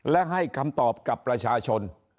และให้คำตอบกับประชาชน